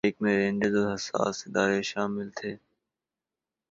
ایک میں رینجرز اور حساس ادارے شامل تھے